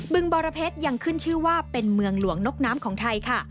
ึงบรเพชรยังขึ้นชื่อว่าเป็นเมืองหลวงนกน้ำของไทยค่ะ